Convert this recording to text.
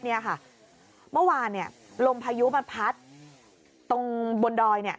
เมื่อวานลมพายุมันพัดตรงบนดอย